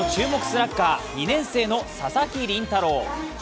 スラッガー２年生の佐々木麟太郎。